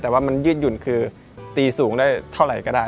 แต่ว่ามันยืดหยุ่นคือตีสูงได้เท่าไหร่ก็ได้